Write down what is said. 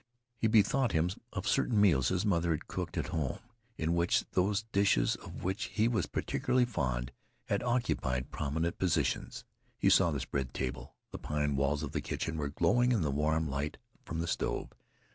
He bethought him of certain meals his mother had cooked at home, in which those dishes of which he was particularly fond had occupied prominent positions. He saw the spread table. The pine walls of the kitchen were glowing in the warm light from the stove.